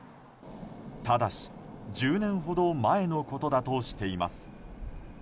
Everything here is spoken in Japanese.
ただし、１０年ほど前のことだとしています。